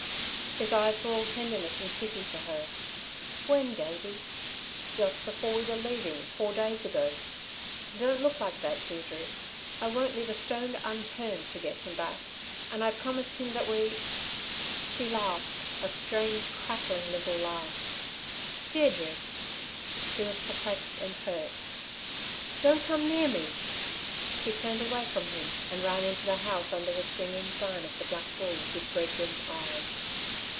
His eyes were all tenderness and pity for her. "When, Davey?" "Just before we were leaving, four days ago. Don't look like that, Deirdre! I won't leave a stone unturned to get him back. And I promised him that we " She laughed, a strange, cracking little laugh. "Deirdre!" He was perplexed and hurt. "Don't come near me!" She turned away from him and ran into the house under the swinging sign of the black bull with red rimmed eyes.